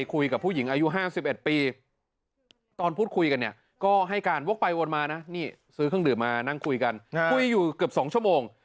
คุยอยู่กับ๒ชั่วโมง